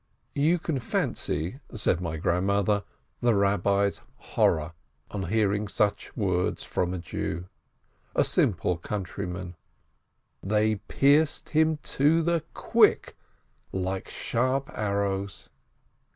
You can fancy — said my Grandmother — the Rabbi's horror on hearing such words from a Jew, a simple coun tryman. They pierced him to the quick, like sharp arrows.